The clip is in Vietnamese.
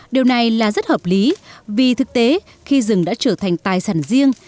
điều này là rất hợp lý vì thực tế khi rừng đã trở thành tài sản riêng